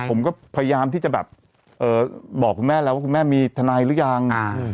ผมก็พยายามที่จะแบบบอกคุณแม่แล้วว่าคุณแม่มีทนายหรือยัง